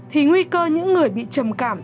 thì nguy cơ những người bị trầm cảm